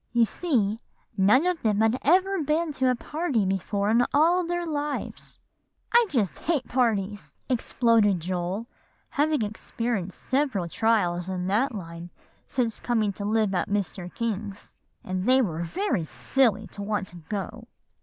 "You see, none of them had ever been to a party before in all their lives." "I just hate parties!" exploded Joel, having experienced several trials in that line since coming to live at Mr. King's; "and they were very silly to want to go."